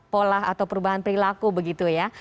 pola atau perubahan perilaku begitu ya